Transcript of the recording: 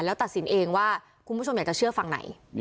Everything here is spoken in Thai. แล้วตัดสินเองว่าคุณผู้ชมอยากจะเชื่อฟังไหน